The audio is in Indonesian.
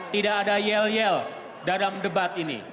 tidak ada yel yel dalam debat ini